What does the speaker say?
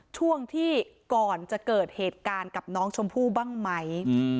ช่วงที่ก่อนจะเกิดเหตุการณ์กับน้องชมพู่บ้างไหม